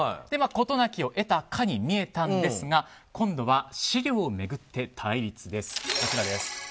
事なきを得たかに見えたんですが今度は資料を巡って対立です。